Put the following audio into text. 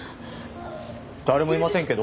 誰もいませんけど？